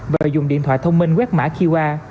và dùng điện thoại thông minh quét mã qr